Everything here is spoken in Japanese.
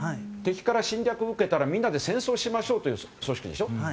敵から侵略を受けたらみんなで戦争をしましょうという組織でしょ。